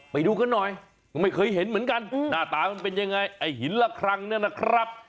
ไปดูกันหน่อยก็ไม่เคยเห็นเหมือนกันหน้าตามันเป็นยังไงไอ้หินละครั้งเนี่ยนะครับ